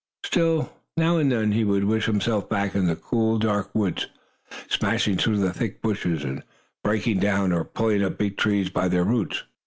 Still, now and again, he would wish himself back in the cool, dark woods, smashing through the thick bushes, and breaking down, or pulling up, big trees by their roots.